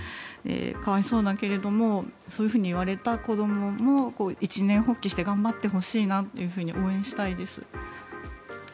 可哀想だけれどもそういうふうに言われた子どもも一念発起して頑張ってほしいなと応援したいです。